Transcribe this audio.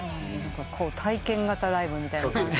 体験型ライブみたいな感じ。